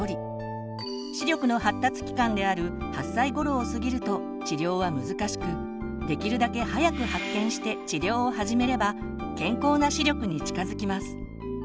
視力の発達期間である８歳頃を過ぎると治療は難しくできるだけ早く発見して治療を始めれば健康な視力に近づきます。